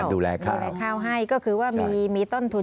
ดูแลข้าวให้ก็คือว่ามีต้นทุน